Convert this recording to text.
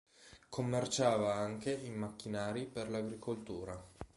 Commerciava anche in macchinari per l'agricoltura.